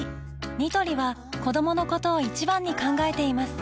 ニトリは子どものことを一番に考えています